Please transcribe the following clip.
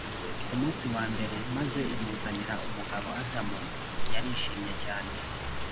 ku munsi wa mbere maze imuzanira umugabo adamu yarishimye cyane